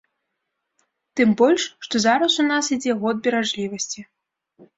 Тым больш, што зараз у нас ідзе год беражлівасці.